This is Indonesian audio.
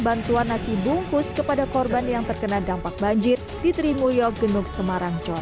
bantuan nasi bungkus kepada korban yang terkena dampak banjir di trimuyo genug semarang jawa